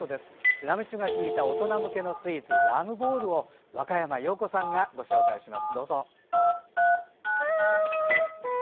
ラム酒が効いた大人向けのスイーツラムボールを若山曜子さんがご紹介します。